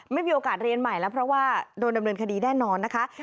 ไม่มีโอกาสเรียนใหม่แล้วเพราะว่าโดนดำเนินคดีแน่นอนนะคะ